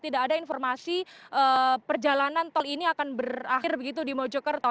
tidak ada informasi perjalanan tol ini akan berakhir begitu di mojokerto